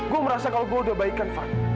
gue merasa kalau gue udah baik kan van